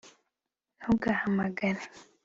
Ntugahamagare